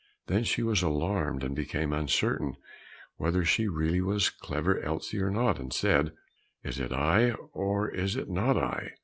Then she was alarmed, and became uncertain whether she really was Clever Elsie or not, and said, "Is it I, or is it not I?"